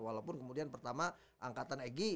walaupun kemudian pertama angkatan eg